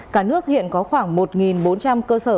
cả nước hiện có khoảng một bốn trăm linh cơ sở